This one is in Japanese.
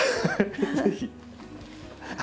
ぜひ。